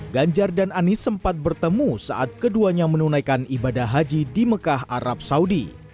ganjar dan anies sempat bertemu saat keduanya menunaikan ibadah haji di mekah arab saudi